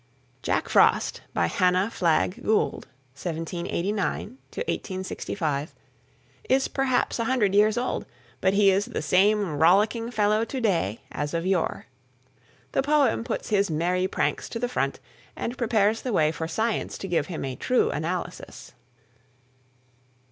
"Jack Frost," by Hannah Flagg Gould (1789 1865), is perhaps a hundred years old, but he is the same rollicking fellow to day as of yore. The poem puts his merry pranks to the front and prepares the way for science to give him a true analysis.